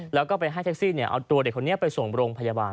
แล้วก็ไปให้แท็กซี่เอาตัวเด็กคนนี้ไปส่งโรงพยาบาล